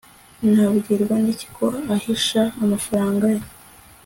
nabwirwa n'iki ko ahisha amafaranga ye